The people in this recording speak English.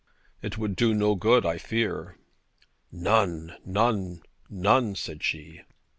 'It would do no good, I fear.' 'None, none, none,' said she.